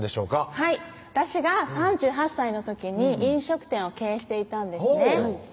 はい私が３８歳の時に飲食店を経営していたんですね